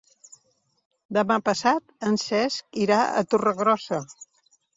Demà passat en Cesc irà a Torregrossa.